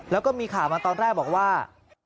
แล้วก็มีข่าวมาตอนแรกบอกว่า